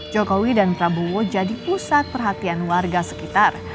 jokowi dan prabowo jadi pusat perhatian warga sekitar